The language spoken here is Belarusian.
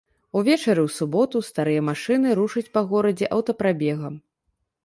Увечары ў суботу старыя машыны рушаць па горадзе аўтапрабегам.